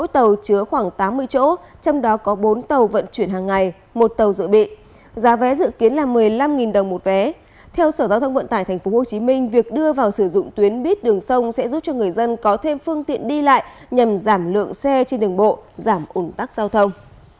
theo sở giao thông vận tải tp hcm việc đưa vào sử dụng tuyến buýt đường sông sẽ giúp cho người dân có thêm phương tiện đi lại nhằm giảm lượng xe trên đường bộ giảm ủn tắc giao thông